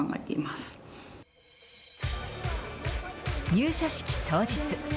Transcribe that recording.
入社式当日。